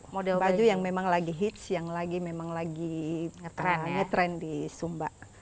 model baju yang memang lagi hits yang memang lagi ngetrend di sumba